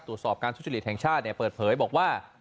ตรวจสอบการทุจริตแห่งชาติเปิดเผยบอกว่า